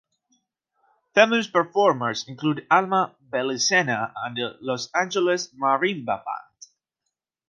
Famous performers include Alma Belicena and the Los Angeles Marimba Band.